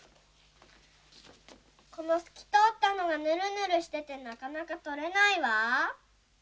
このすきとおったのがぬるぬるしててなかなかとれないわ。